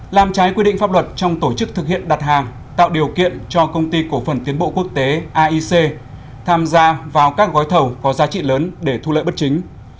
làm trái quy định pháp luật trong tổ chức thực hiện đặt hàng tạo điều kiện cho công ty cổ phần tiến bộ quốc tế aic tham gia vào các gói thầu có giá trị lớn để thu lợi bất chính